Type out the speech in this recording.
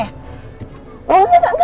enggak enggak enggak